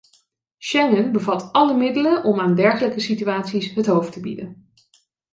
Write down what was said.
Schengen bevat alle middelen om aan dergelijke situaties het hoofd te bieden.